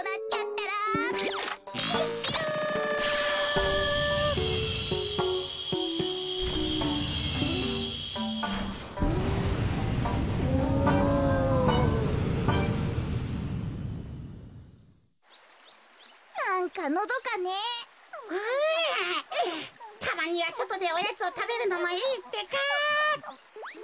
たまにはそとでおやつをたべるのもいいってか。